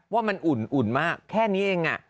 ว่ามันอุ่นมากแค่นี้เอง